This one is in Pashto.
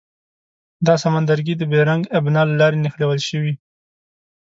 دا سمندرګي د بیرنګ ابنا له لارې نښلول شوي.